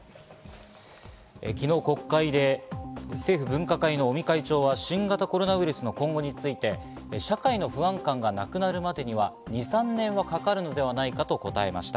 昨日、国会で政府分科会の尾身会長は新型コロナウイルスの今後について、社会の不安感がなくなるまでには、２３年はかかるのではないかと答えました。